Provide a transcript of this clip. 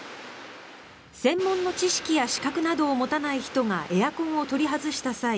専門の知識や資格を持たない人がエアコンを取り外した際